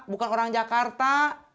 bukan orang jakarta